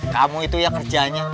kamu itu ya kerjanya